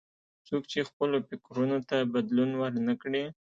څوک چې خپلو فکرونو ته بدلون ور نه کړي.